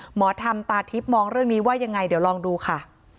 หมอธรรมตาทิพย์มองเรื่องนี้ว่ายังไงเดี๋ยวลองดูค่ะ